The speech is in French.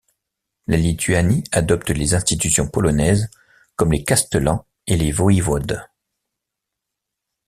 La Lituanie adopte les institutions polonaises comme les castellans et les voïvodes.